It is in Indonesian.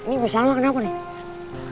ini bisalma kenapa nih